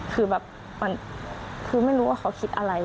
คือแบบมันคือไม่รู้ว่าเขาคิดอะไร